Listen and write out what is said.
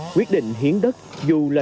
quyết định hiến đất dù là